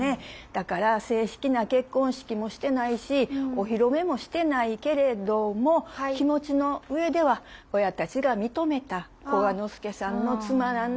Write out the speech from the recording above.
だから正式な結婚式もしてないしお披露目もしてないけれども気持ちの上では親たちが認めた久我之助さんの妻なんだと思ってね